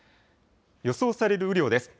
予想される雨量です。